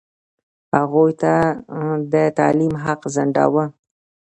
هغوی د تعلیم حق ځنډاوه.